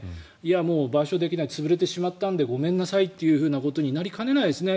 賠償できない潰れてしまったのでごめんなさいっていうことになりかねないですね